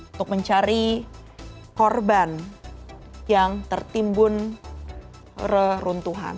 untuk mencari korban yang tertimbun reruntuhan